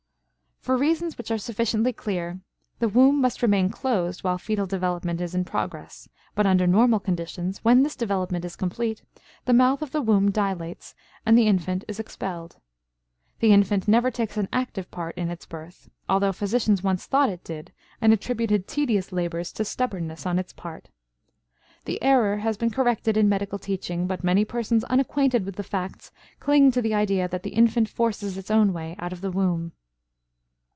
For reasons which are sufficiently clear, the womb must remain closed while fetal development is in progress; but under normal conditions, when this development is complete, the mouth of the womb dilates and the infant is expelled. The infant never takes an active part in its birth, although physicians once thought it did and attributed tedious labors to stubbornness on its part. The error has been corrected in medical teaching, but many persons unacquainted with the facts cling to the idea that the infant forces its own way out of the womb.